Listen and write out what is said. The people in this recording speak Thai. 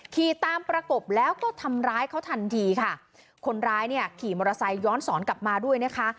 ขี่ตามประกบแล้วก็ทำร้ายเขาทันทีค่ะคนร้ายเนี่ยขี่มอเตอร์ไซค์ย้อนสอนกลับมาด้วยนะคะ